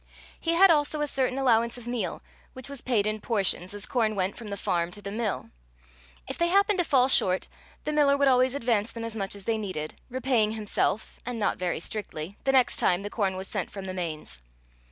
He had also a certain allowance of meal, which was paid in portions, as corn went from the farm to the mill. If they happened to fall short, the miller would always advance them as much as they needed, repaying himself and not very strictly the next time the corn was sent from the Mains.